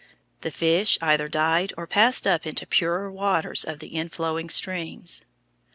The fish either died or passed up into the purer waters of the inflowing streams.